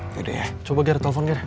yaudah ya coba ger telepon ger